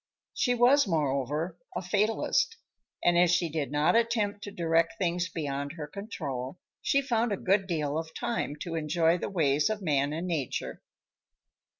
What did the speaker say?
She was, moreover, a fatalist, and as she did not attempt to direct things beyond her control, she found a good deal of time to enjoy the ways of man and nature.